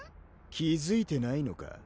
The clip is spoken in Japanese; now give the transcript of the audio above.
気づいてないのか？